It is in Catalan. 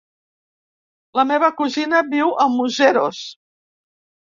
La meva cosina viu a Museros.